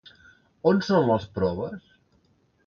On són les proves?